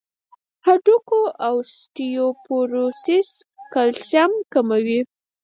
د هډوکو اوسټيوپوروسس کلسیم کموي.